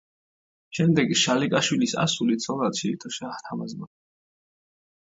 შემდეგ შალიკაშვილის ასული ცოლად შეირთო შაჰ-თამაზმა.